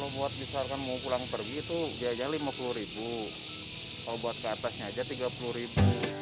buat misalkan mau pulang pergi itu biaya rp lima puluh kalau buat ke atasnya aja rp tiga puluh ribu